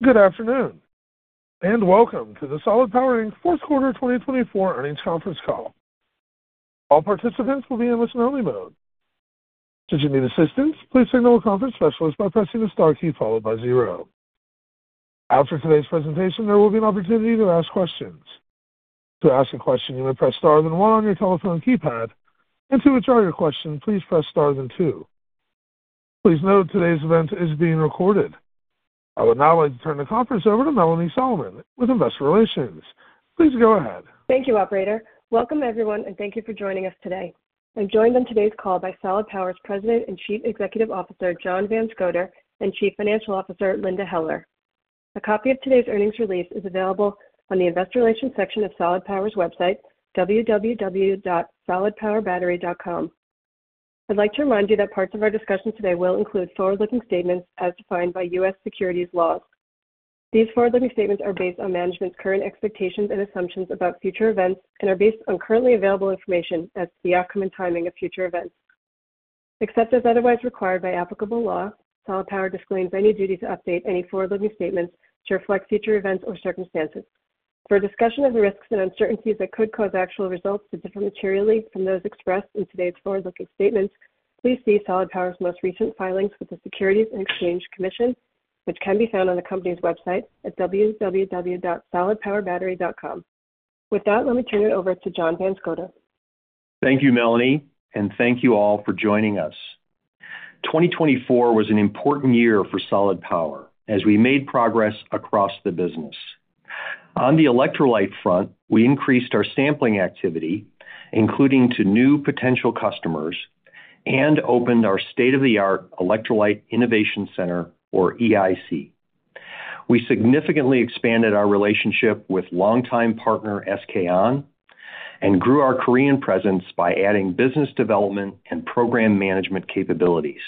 Good afternoon and welcome to the Solid Power fourth quarter 2024 earnings conference call. All participants will be in listen-only mode. Should you need assistance, please signal a conference specialist by pressing the star key followed by zero. After today's presentation, there will be an opportunity to ask questions. To ask a question, you may press star then one on your telephone keypad, and to withdraw your question, please press star then two. Please note today's event is being recorded. I would now like to turn the conference over to Melanie Solomon with Investor Relations. Please go ahead. Thank you, Operator. Welcome, everyone, and thank you for joining us today. I'm joined on today's call by Solid Power's President and Chief Executive Officer, John Van Scoter, and Chief Financial Officer, Linda Heller. A copy of today's earnings release is available on the Investor Relations section of Solid Power's website, www.solidpowerbattery.com. I'd like to remind you that parts of our discussion today will include forward-looking statements as defined by U.S. securities laws. These forward-looking statements are based on management's current expectations and assumptions about future events and are based on currently available information as to the outcome and timing of future events. Except as otherwise required by applicable law, Solid Power disclaims any duty to update any forward-looking statements to reflect future events or circumstances. For a discussion of the risks and uncertainties that could cause actual results to differ materially from those expressed in today's forward-looking statements, please see Solid Power's most recent filings with the Securities and Exchange Commission, which can be found on the company's website at www.solidpowerbattery.com. With that, let me turn it over to John Van Scoter. Thank you, Melanie, and thank you all for joining us. 2024 was an important year for Solid Power as we made progress across the business. On the electrolyte front, we increased our sampling activity, including to new potential customers, and opened our state-of-the-art Electrolyte Innovation Center, or EIC. We significantly expanded our relationship with longtime partner SK On and grew our Korean presence by adding business development and program management capabilities.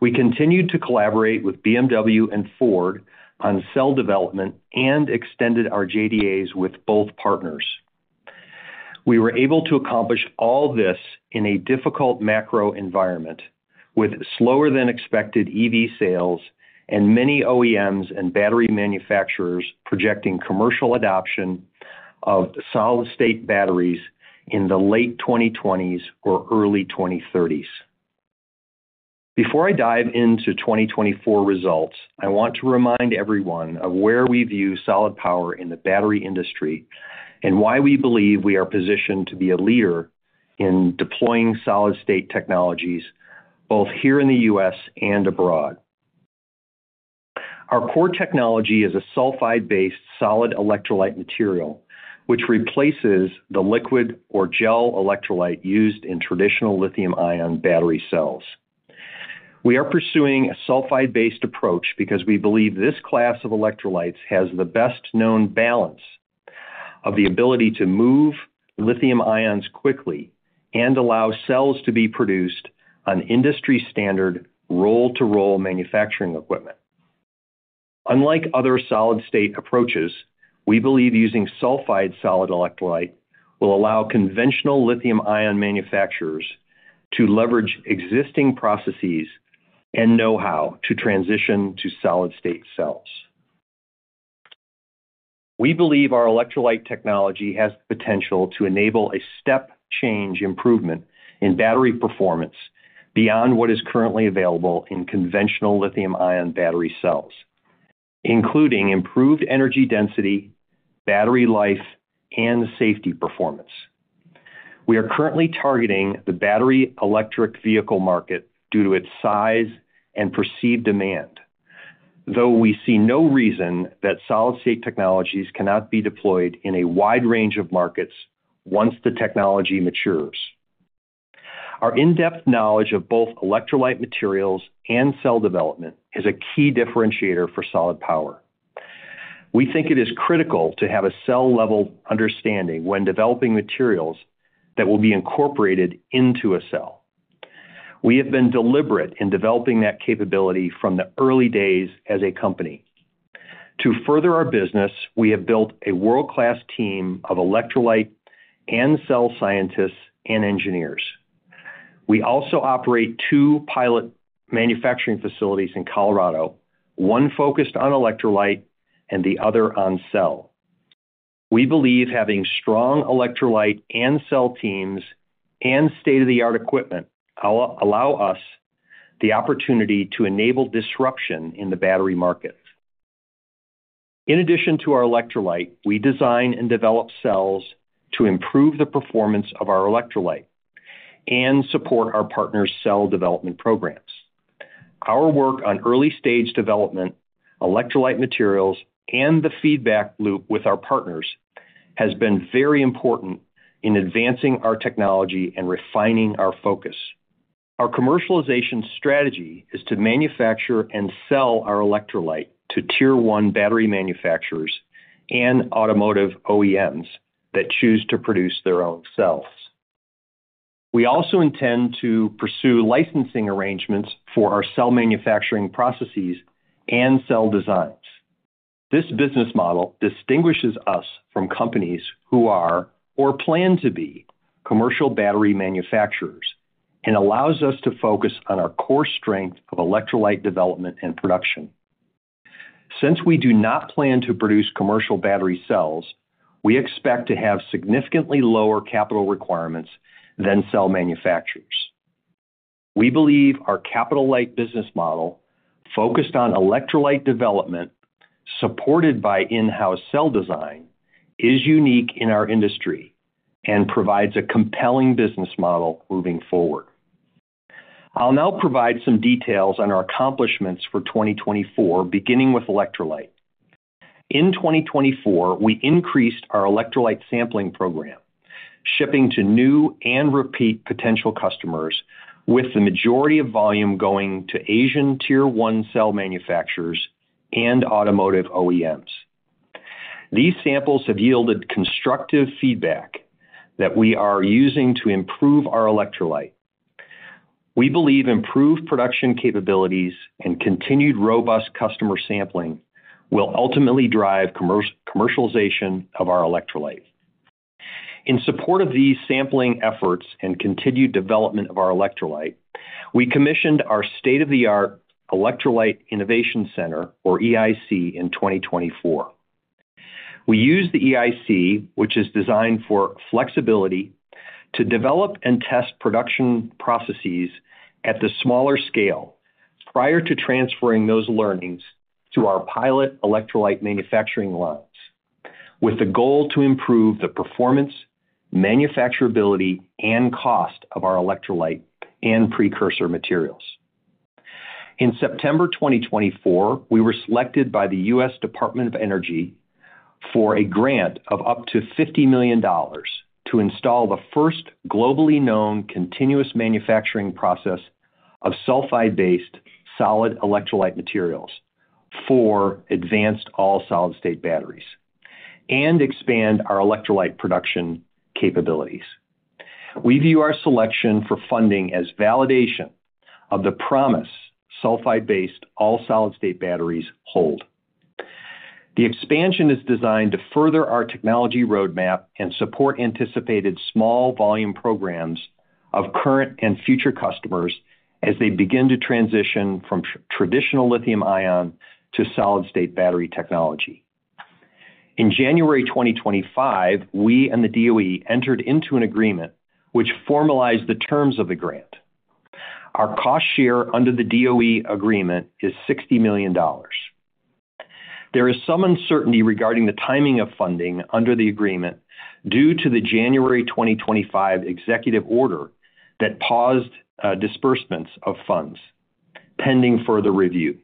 We continued to collaborate with BMW and Ford on cell development and extended our JDAs with both partners. We were able to accomplish all this in a difficult macro environment, with slower-than-expected EV sales and many OEMs and battery manufacturers projecting commercial adoption of solid-state batteries in the late 2020s or early 2030s. Before I dive into 2024 results, I want to remind everyone of where we view Solid Power in the battery industry and why we believe we are positioned to be a leader in deploying solid-state technologies both here in the U.S. and abroad. Our core technology is a sulfide-based solid electrolyte material, which replaces the liquid or gel electrolyte used in traditional lithium-ion battery cells. We are pursuing a sulfide-based approach because we believe this class of electrolytes has the best-known balance of the ability to move lithium ions quickly and allow cells to be produced on industry-standard roll-to-roll manufacturing equipment. Unlike other solid-state approaches, we believe using sulfide solid electrolyte will allow conventional lithium-ion manufacturers to leverage existing processes and know-how to transition to solid-state cells. We believe our electrolyte technology has the potential to enable a step-change improvement in battery performance beyond what is currently available in conventional lithium-ion battery cells, including improved energy density, battery life, and safety performance. We are currently targeting the battery electric vehicle market due to its size and perceived demand, though we see no reason that solid-state technologies cannot be deployed in a wide range of markets once the technology matures. Our in-depth knowledge of both electrolyte materials and cell development is a key differentiator for Solid Power. We think it is critical to have a cell-level understanding when developing materials that will be incorporated into a cell. We have been deliberate in developing that capability from the early days as a company. To further our business, we have built a world-class team of electrolyte and cell scientists and engineers. We also operate two pilot manufacturing facilities in Colorado, one focused on electrolyte and the other on cell. We believe having strong electrolyte and cell teams and state-of-the-art equipment allow us the opportunity to enable disruption in the battery market. In addition to our electrolyte, we design and develop cells to improve the performance of our electrolyte and support our partners' cell development programs. Our work on early-stage development, electrolyte materials, and the feedback loop with our partners has been very important in advancing our technology and refining our focus. Our commercialization strategy is to manufacture and sell our electrolyte to tier-one battery manufacturers and automotive OEMs that choose to produce their own cells. We also intend to pursue licensing arrangements for our cell manufacturing processes and cell designs. This business model distinguishes us from companies who are or plan to be commercial battery manufacturers and allows us to focus on our core strength of electrolyte development and production. Since we do not plan to produce commercial battery cells, we expect to have significantly lower capital requirements than cell manufacturers. We believe our capital-light business model, focused on electrolyte development supported by in-house cell design, is unique in our industry and provides a compelling business model moving forward. I'll now provide some details on our accomplishments for 2024, beginning with electrolyte. In 2024, we increased our electrolyte sampling program, shipping to new and repeat potential customers, with the majority of volume going to Asian tier-one cell manufacturers and automotive OEMs. These samples have yielded constructive feedback that we are using to improve our electrolyte. We believe improved production capabilities and continued robust customer sampling will ultimately drive commercialization of our electrolyte. In support of these sampling efforts and continued development of our electrolyte, we commissioned our state-of-the-art Electrolyte Innovation Center, or EIC, in 2024. We use the EIC, which is designed for flexibility, to develop and test production processes at the smaller scale prior to transferring those learnings to our pilot electrolyte manufacturing lines, with the goal to improve the performance, manufacturability, and cost of our electrolyte and precursor materials. In September 2024, we were selected by the U.S. Department of Energy for a grant of up to $50 million to install the first globally known continuous manufacturing process of sulfide-based solid electrolyte materials for advanced all-solid-state batteries and expand our electrolyte production capabilities. We view our selection for funding as validation of the promise sulfide-based all-solid-state batteries hold. The expansion is designed to further our technology roadmap and support anticipated small-volume programs of current and future customers as they begin to transition from traditional lithium-ion to solid-state battery technology. In January 2025, we and the DOE entered into an agreement, which formalized the terms of the grant. Our cost share under the DOE agreement is $60 million. There is some uncertainty regarding the timing of funding under the agreement due to the January 2025 executive order that paused disbursements of funds pending further review.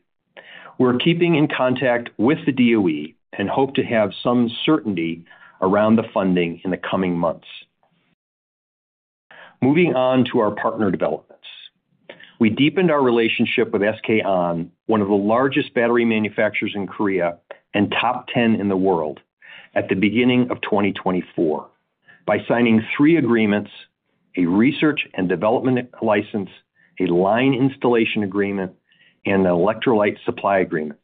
We're keeping in contact with the DOE and hope to have some certainty around the funding in the coming months. Moving on to our partner developments, we deepened our relationship with SK On, one of the largest battery manufacturers in Korea and top 10 in the world, at the beginning of 2024 by signing three agreements: a research and development license, a line installation agreement, and an electrolyte supply agreement.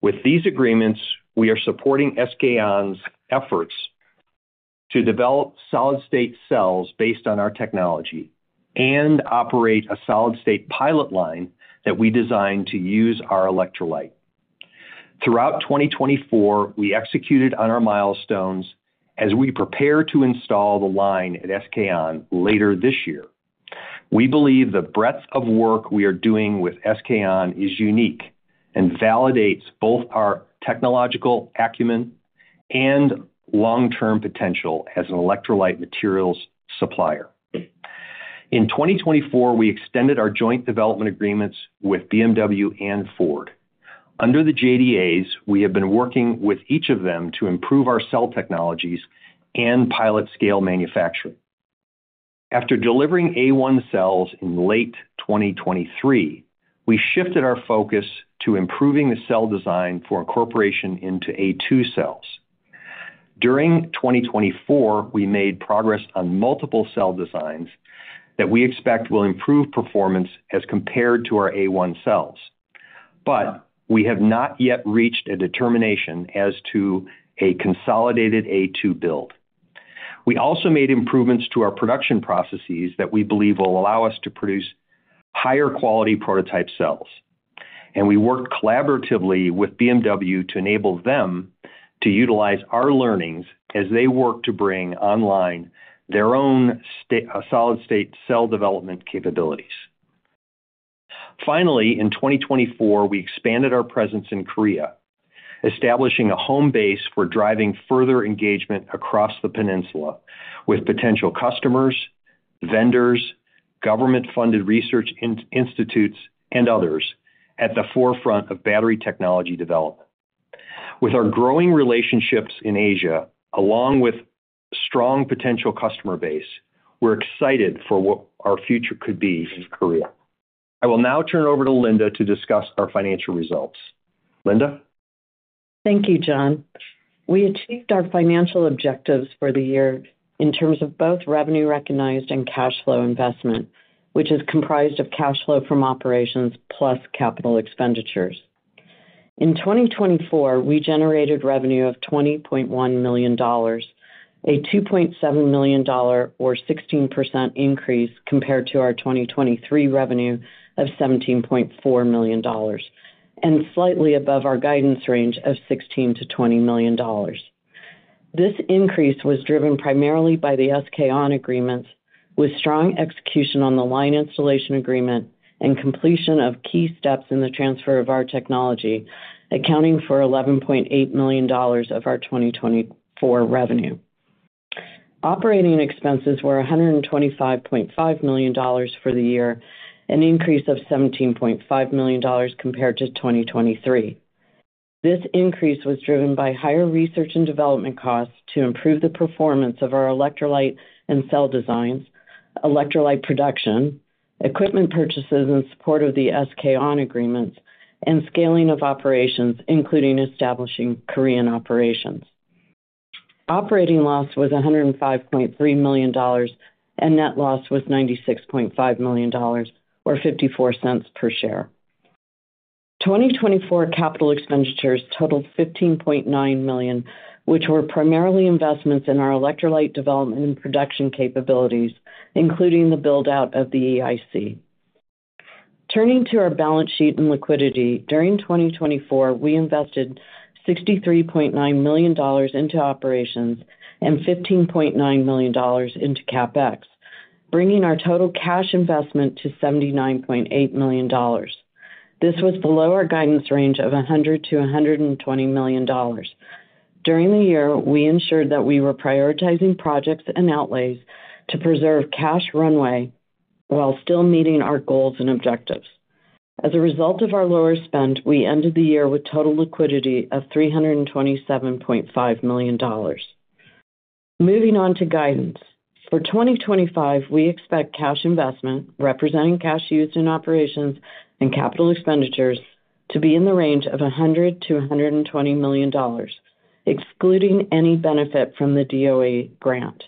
With these agreements, we are supporting SK On's efforts to develop solid-state cells based on our technology and operate a solid-state pilot line that we designed to use our electrolyte. Throughout 2024, we executed on our milestones as we prepare to install the line at SK On later this year. We believe the breadth of work we are doing with SK On is unique and validates both our technological acumen and long-term potential as an electrolyte materials supplier. In 2024, we extended our joint development agreements with BMW and Ford. Under the JDAs, we have been working with each of them to improve our cell technologies and pilot-scale manufacturing. After delivering A1 cells in late 2023, we shifted our focus to improving the cell design for incorporation into A2 cells. During 2024, we made progress on multiple cell designs that we expect will improve performance as compared to our A1 cells, but we have not yet reached a determination as to a consolidated A2 build. We also made improvements to our production processes that we believe will allow us to produce higher-quality prototype cells, and we worked collaboratively with BMW to enable them to utilize our learnings as they work to bring online their own solid-state cell development capabilities. Finally, in 2024, we expanded our presence in Korea, establishing a home base for driving further engagement across the peninsula with potential customers, vendors, government-funded research institutes, and others at the forefront of battery technology development. With our growing relationships in Asia, along with a strong potential customer base, we're excited for what our future could be in Korea. I will now turn it over to Linda to discuss our financial results. Linda? Thank you, John. We achieved our financial objectives for the year in terms of both revenue recognized and cash flow investment, which is comprised of cash flow from operations plus capital expenditures. In 2024, we generated revenue of $20.1 million, a $2.7 million or 16% increase compared to our 2023 revenue of $17.4 million and slightly above our guidance range of $16-$20 million. This increase was driven primarily by the SK On agreements, with strong execution on the line installation agreement and completion of key steps in the transfer of our technology, accounting for $11.8 million of our 2024 revenue. Operating expenses were $125.5 million for the year, an increase of $17.5 million compared to 2023. This increase was driven by higher research and development costs to improve the performance of our electrolyte and cell designs, electrolyte production, equipment purchases in support of the SK On agreements, and scaling of operations, including establishing Korean operations. Operating loss was $105.3 million, and net loss was $96.5 million or $0.54 per share. 2024 capital expenditures totaled $15.9 million, which were primarily investments in our electrolyte development and production capabilities, including the build-out of the EIC. Turning to our balance sheet and liquidity, during 2024, we invested $63.9 million into operations and $15.9 million into CapEx, bringing our total cash investment to $79.8 million. This was below our guidance range of $100 million-$120 million. During the year, we ensured that we were prioritizing projects and outlays to preserve cash runway while still meeting our goals and objectives. As a result of our lower spend, we ended the year with total liquidity of $327.5 million. Moving on to guidance. For 2025, we expect cash investment representing cash used in operations and capital expenditures to be in the range of $100 million-$120 million, excluding any benefit from the DOE grant.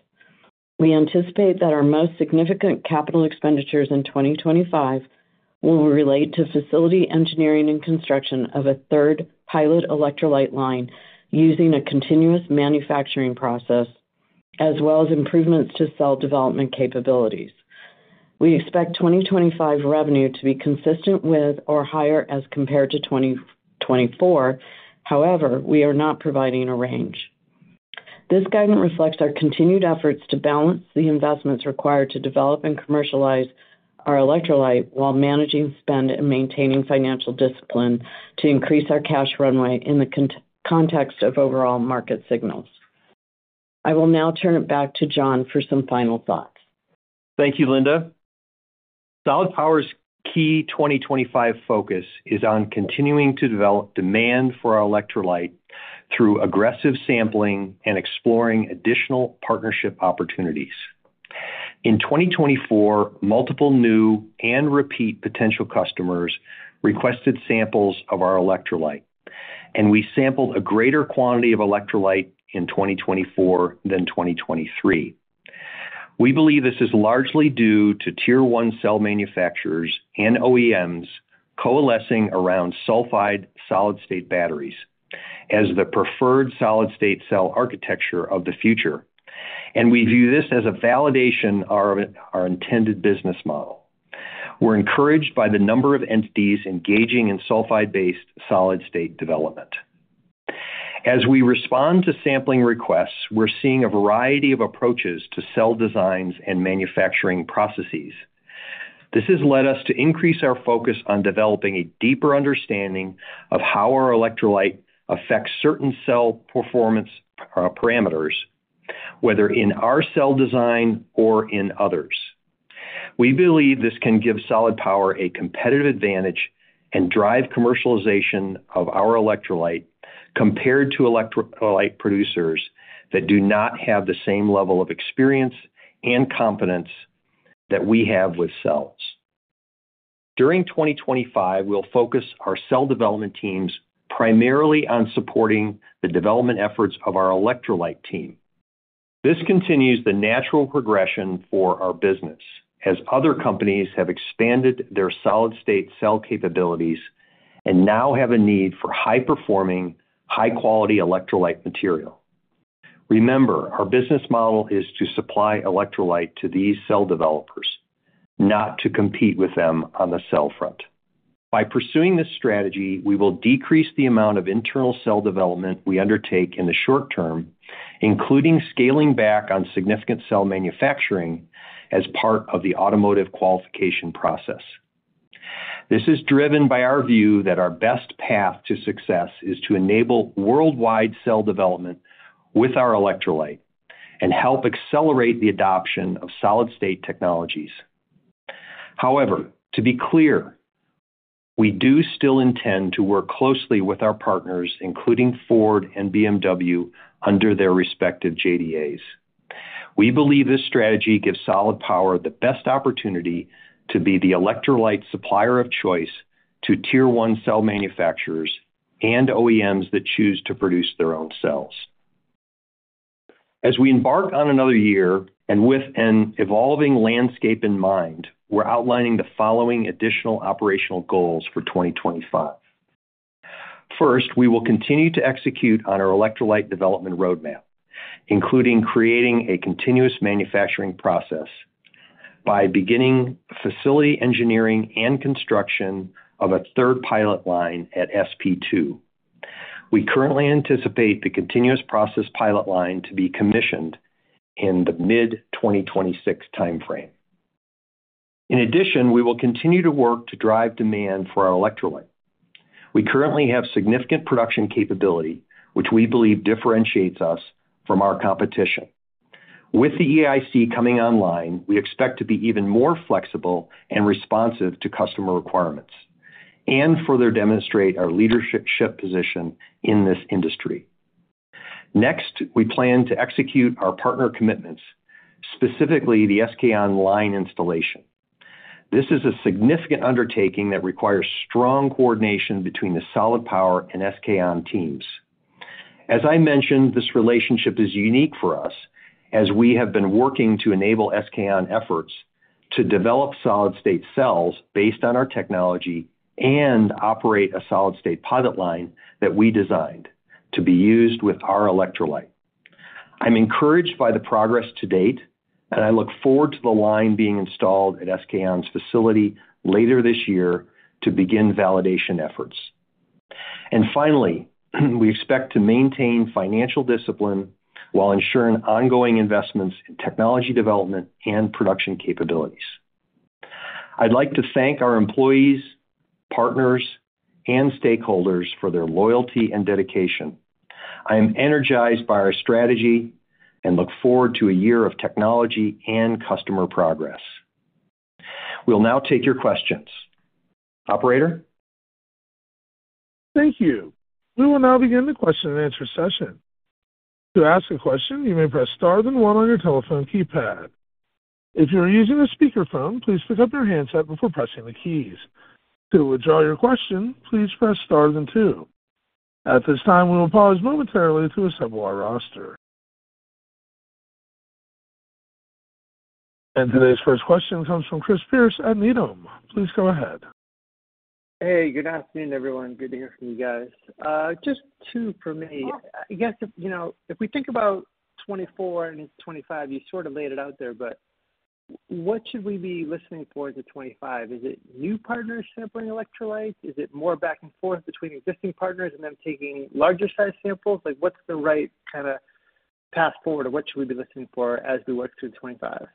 We anticipate that our most significant capital expenditures in 2025 will relate to facility engineering and construction of a third pilot electrolyte line using a continuous manufacturing process, as well as improvements to cell development capabilities. We expect 2025 revenue to be consistent with or higher as compared to 2024. However, we are not providing a range. This guidance reflects our continued efforts to balance the investments required to develop and commercialize our electrolyte while managing spend and maintaining financial discipline to increase our cash runway in the context of overall market signals. I will now turn it back to John for some final thoughts. Thank you, Linda. Solid Power's key 2025 focus is on continuing to develop demand for our electrolyte through aggressive sampling and exploring additional partnership opportunities. In 2024, multiple new and repeat potential customers requested samples of our electrolyte, and we sampled a greater quantity of electrolyte in 2024 than 2023. We believe this is largely due to tier-one cell manufacturers and OEMs coalescing around sulfide solid-state batteries as the preferred solid-state cell architecture of the future, and we view this as a validation of our intended business model. We're encouraged by the number of entities engaging in sulfide-based solid-state development. As we respond to sampling requests, we're seeing a variety of approaches to cell designs and manufacturing processes. This has led us to increase our focus on developing a deeper understanding of how our electrolyte affects certain cell performance parameters, whether in our cell design or in others. We believe this can give Solid Power a competitive advantage and drive commercialization of our electrolyte compared to electrolyte producers that do not have the same level of experience and competence that we have with cells. During 2025, we'll focus our cell development teams primarily on supporting the development efforts of our electrolyte team. This continues the natural progression for our business as other companies have expanded their solid-state cell capabilities and now have a need for high-performing, high-quality electrolyte material. Remember, our business model is to supply electrolyte to these cell developers, not to compete with them on the cell front. By pursuing this strategy, we will decrease the amount of internal cell development we undertake in the short term, including scaling back on significant cell manufacturing as part of the automotive qualification process. This is driven by our view that our best path to success is to enable worldwide cell development with our electrolyte and help accelerate the adoption of solid-state technologies. However, to be clear, we do still intend to work closely with our partners, including Ford and BMW, under their respective JDAs. We believe this strategy gives Solid Power the best opportunity to be the electrolyte supplier of choice to tier-one cell manufacturers and OEMs that choose to produce their own cells. As we embark on another year and with an evolving landscape in mind, we're outlining the following additional operational goals for 2025. First, we will continue to execute on our electrolyte development roadmap, including creating a continuous manufacturing process by beginning facility engineering and construction of a third pilot line at SP2. We currently anticipate the continuous process pilot line to be commissioned in the mid-2026 timeframe. In addition, we will continue to work to drive demand for our electrolyte. We currently have significant production capability, which we believe differentiates us from our competition. With the EIC coming online, we expect to be even more flexible and responsive to customer requirements and further demonstrate our leadership position in this industry. Next, we plan to execute our partner commitments, specifically the SK On line installation. This is a significant undertaking that requires strong coordination between the Solid Power and SK On teams. As I mentioned, this relationship is unique for us as we have been working to enable SK On efforts to develop solid-state cells based on our technology and operate a solid-state pilot line that we designed to be used with our electrolyte. I'm encouraged by the progress to date, and I look forward to the line being installed at SK On's facility later this year to begin validation efforts. Finally, we expect to maintain financial discipline while ensuring ongoing investments in technology development and production capabilities. I'd like to thank our employees, partners, and stakeholders for their loyalty and dedication. I am energized by our strategy and look forward to a year of technology and customer progress. We'll now take your questions. Operator? Thank you. We will now begin the question-and-answer session. To ask a question, you may press star then one on your telephone keypad. If you are using a speakerphone, please pick up your handset before pressing the keys. To withdraw your question, please press star then two. At this time, we will pause momentarily to assemble our roster. Today's first question comes from Chris Pierce at Needham. Please go ahead. Hey, good afternoon, everyone. Good to hear from you guys. Just two for me. I guess if we think about '24 and '25, you sort of laid it out there, but what should we be listening for in '25? Is it new partners sampling electrolytes? Is it more back and forth between existing partners and them taking larger-sized samples? What's the right kind of path forward, or what should we be listening for as we work through '25?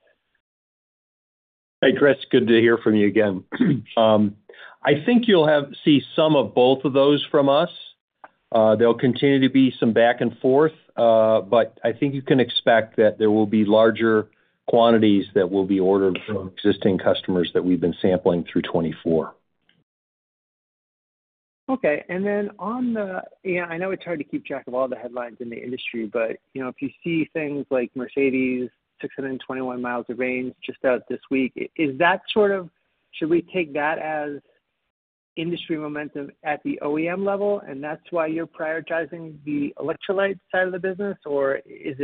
Hey, Chris, good to hear from you again. I think you'll see some of both of those from us. There'll continue to be some back and forth, but I think you can expect that there will be larger quantities that will be ordered from existing customers that we've been sampling through 2024. Okay. And then on the—yeah, I know it's hard to keep track of all the headlines in the industry, but if you see things like Mercedes 621 miles of range just out this week, is that sort of—should we take that as industry momentum at the OEM level? That is why you're prioritizing the electrolyte side of the business, or is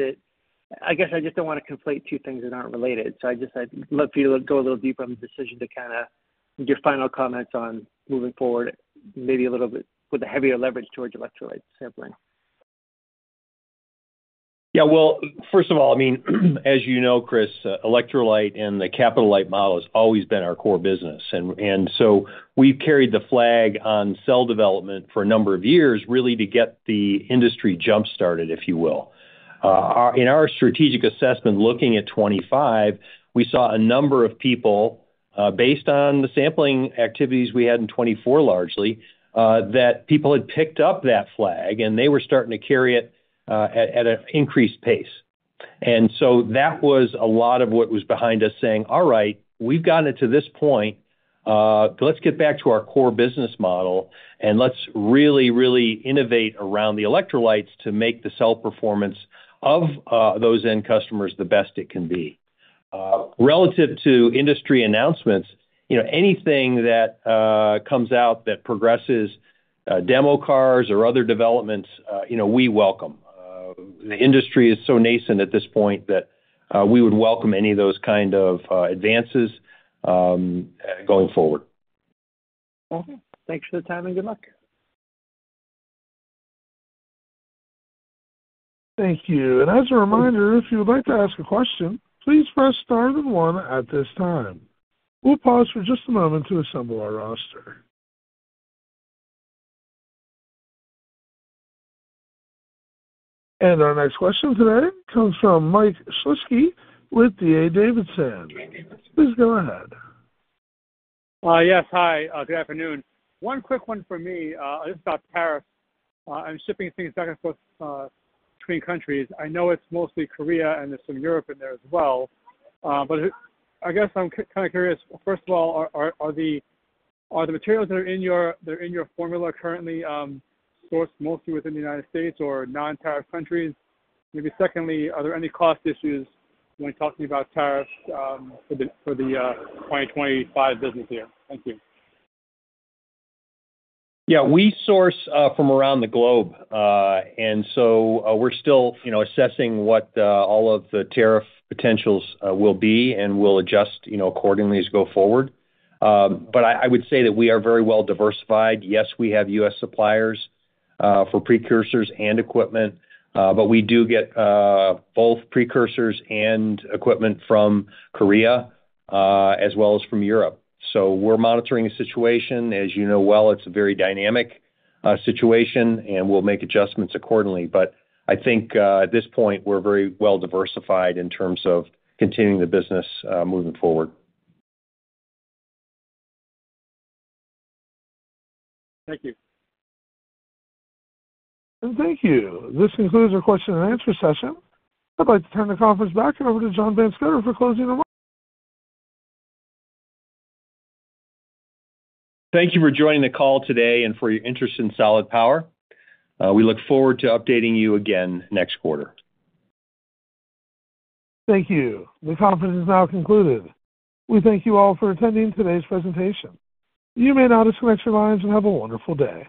it—I guess I just don't want to conflate two things that aren't related. I would love for you to go a little deeper on the decision to kind of—your final comments on moving forward, maybe a little bit with a heavier leverage towards electrolyte sampling. Yeah. First of all, I mean, as you know, Chris, electrolyte and the Capital Light Model has always been our core business. We have carried the flag on cell development for a number of years, really to get the industry jump-started, if you will. In our strategic assessment looking at 2025, we saw a number of people, based on the sampling activities we had in 2024 largely, that people had picked up that flag, and they were starting to carry it at an increased pace. That was a lot of what was behind us saying, "All right, we have gotten it to this point. Let's get back to our core business model, and let's really, really innovate around the electrolytes to make the cell performance of those end customers the best it can be. Relative to industry announcements, anything that comes out that progresses, demo cars or other developments, we welcome. The industry is so nascent at this point that we would welcome any of those kind of advances going forward. Okay. Thanks for the time and good luck. Thank you. As a reminder, if you would like to ask a question, please press star then one at this time. We'll pause for just a moment to assemble our roster. Our next question today comes from Mike Shlisky with DA Davidson. Please go ahead. Yes. Hi. Good afternoon. One quick one for me. I just got tariffs. I'm shipping things back and forth between countries. I know it's mostly Korea, and there's some Europe in there as well. I guess I'm kind of curious, first of all, are the materials that are in your formula currently sourced mostly within the United States or non-tariff countries? Maybe secondly, are there any cost issues when talking about tariffs for the 2025 business year? Thank you. Yeah. We source from around the globe. We are still assessing what all of the tariff potentials will be, and we will adjust accordingly as we go forward. I would say that we are very well diversified. Yes, we have U.S. suppliers for precursors and equipment, but we do get both precursors and equipment from Korea as well as from Europe. We are monitoring the situation. As you know well, it is a very dynamic situation, and we will make adjustments accordingly. I think at this point, we are very well diversified in terms of continuing the business moving forward. Thank you. Thank you. This concludes our question-and-answer session. I'd like to turn the conference back over to John Van Scoter for closing remarks. Thank you for joining the call today and for your interest in Solid Power. We look forward to updating you again next quarter. Thank you. The conference is now concluded. We thank you all for attending today's presentation. You may now disconnect your lines and have a wonderful day.